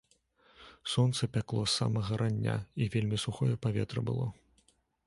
Сонца пякло з самага рання, і вельмі сухое паветра было.